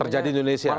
terjadi di indonesia